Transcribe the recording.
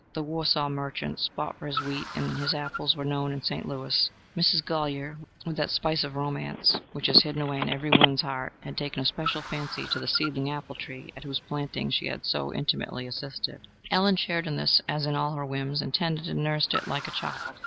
The Warsaw merchants fought for his wheat, and his apples were known in St. Louis. Mrs. Golyer, with that spice of romance which is hidden away in every woman's heart, had taken a special fancy to the seedling apple tree at whose planting she had so intimately assisted. Allen shared in this, as in all her whims, and tended and nursed it like a child.